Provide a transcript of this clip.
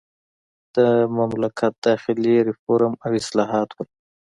د مملکت داخلي ریفورم او اصلاحات وو.